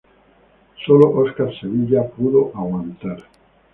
Solo Óscar Sevilla pudo aguantar.